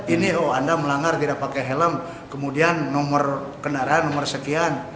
ini oh anda melanggar tidak pakai helm kemudian nomor kendaraan nomor sekian